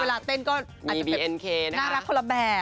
เวลาเต้นก็น่ารักคนละแบบ